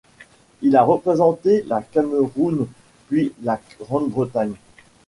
Il a représenté la Cameroun puis la Grande-Bretagne.